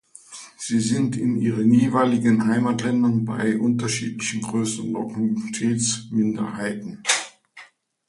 Sie sind in ihren jeweiligen Heimatländern bei unterschiedlicher Größenordnung stets Minderheiten.